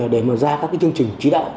để ra các chương trình chí đạo